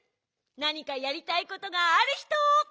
なにかやりたいことがあるひと！